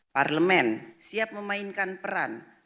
parlemen siap memainkan peran sebagai pemerintah